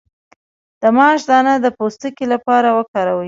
د ماش دانه د پوستکي لپاره وکاروئ